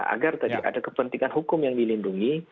agar tadi ada kepentingan hukum yang dilindungi